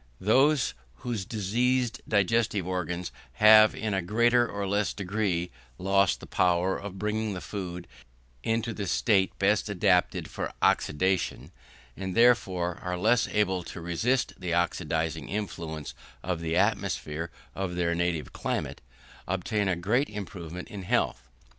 Those whose diseased digestive organs have in a greater or less degree lost the power of bringing the food into the state best adapted for oxidation, and therefore are less able to resist the oxidising influence of the atmosphere of their native climate, obtain a great improvement in health.